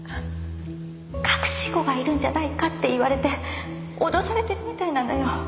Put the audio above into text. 隠し子がいるんじゃないかって言われて脅されてるみたいなのよ。